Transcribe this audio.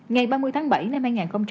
ngày ba mươi tháng bảy năm hai nghìn hai mươi